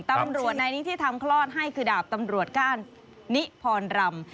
ตำรวจนายนี้ที่ทำคลอดให้คือดาบตำรวจก้านนิพรรำ